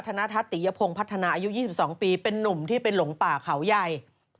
ธนทัศน์ติยพงศ์พัฒนาอายุ๒๒ปีเป็นนุ่มที่ไปหลงป่าเขาใหญ่